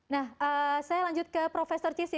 nah saya lanjut ke profesor cissy